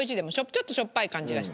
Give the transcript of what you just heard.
ちょっとしょっぱい感じがして。